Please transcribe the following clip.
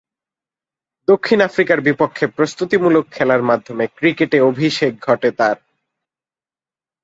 দক্ষিণ আফ্রিকার বিপক্ষে প্রস্তুতিমূলক খেলার মাধ্যমে ক্রিকেটে অভিষেক ঘটে তার।